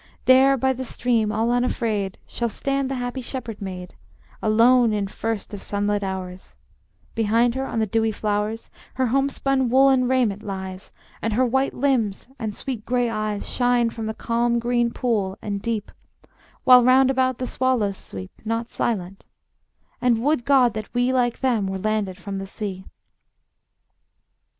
There by the stream, all unafraid, Shall stand the happy shepherd maid, Alone in first of sunlit hours; Behind her, on the dewy flowers, Her homespun woolen raiment lies, And her white limbs and sweet gray eyes Shine from the calm green pool and deep, While round about the swallows sweep, Not silent; and would God that we, Like them, were landed from the sea.